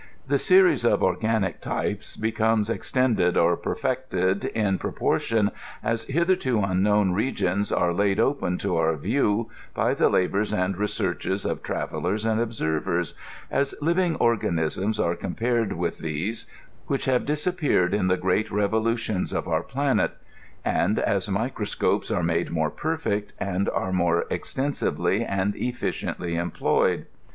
The series of orgi^ie type9 becomes extendod or porlected in proportkm as hitherto imbn^ws regiens are laid open to our view by the labors and researches of traveien and observers ; as livi ng ofganisiBS ave compared with theee which have dis appeared m the great revolutions of our planet ; and as micro scopes are made more perfect, and are more toctensiwily and efficiently ^^ployed.